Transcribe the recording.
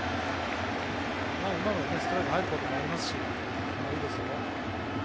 今みたいにストライク入ることもありますしいいですよ。